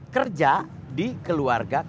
kerja di keluarga kang mus